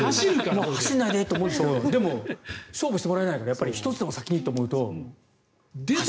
もう走らないでって思うけどでも勝負してもらえないから１つでも先にと思うと走る。